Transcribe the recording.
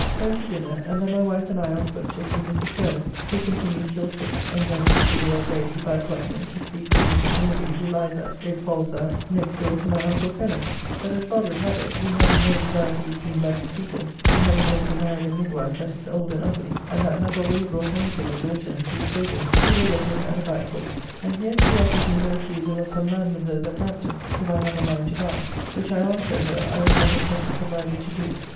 Home to dinner, and then my wife and I on foot to see Mrs. Turner, who continues still sick, and thence into the Old Bayly by appointment to speak with Mrs. Norbury who lies at (it falls out) next door to my uncle Fenner's; but as God would have it, we having no desire to be seen by his people, he having lately married a midwife that is old and ugly, and that hath already brought home to him a daughter and three children, we were let in at a back door. And here she offered me the refusall of some lands of her's at Brampton, if I have a mind to buy, which I answered her I was not at present provided to do.